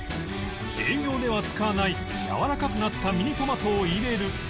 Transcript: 営業では使わないやわらかくなったミニトマトを入れる